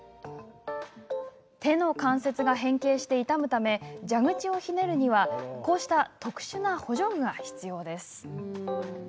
手の関節が変形して痛むため蛇口をひねるには、こうした特殊な補助具が必要です。